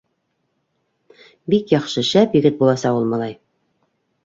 — Бик яҡшы, шәп егет буласаҡ ул малай.